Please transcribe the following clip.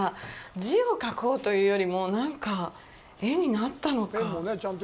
字を書こうというよりもなんか、絵になったのか。